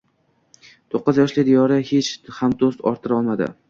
to'qqiz yoshli Diyora hech ham do‘st orttira olmadi.